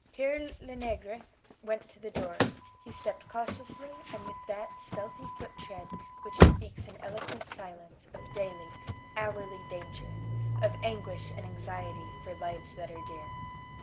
Pere Lenegre went to the door; he stepped cautiously and with that stealthy foot tread which speaks in eloquent silence of daily, hourly danger, of anguish and anxiety for lives that are dear.